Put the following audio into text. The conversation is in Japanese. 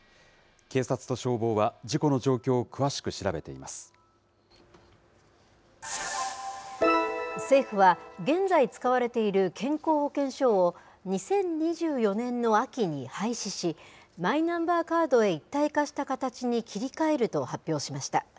警察と消防は、政府は、現在使われている健康保険証を２０２４年の秋に廃止し、マイナンバーカードへ一体化した形に切り替えると発表しました。